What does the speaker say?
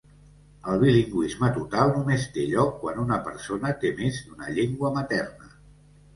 El bilingüisme total només té lloc quan una persona té més d'una llengua materna.